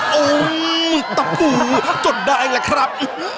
โอ้โฮตะปื้อจดได้เล่ะครับ